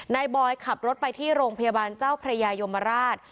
บอยขับรถไปที่โรงพยาบาลเจ้าพระยายมราช